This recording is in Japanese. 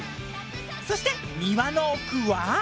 そして庭の奥は。